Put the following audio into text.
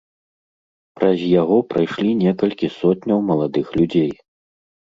Праз яго прайшлі некалькі сотняў маладых людзей.